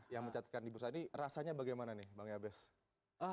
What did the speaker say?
yang mencatatkan di bursa ini rasanya bagaimana nih bang yabes